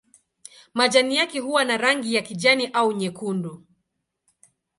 Majani yake huwa na rangi ya kijani au nyekundu.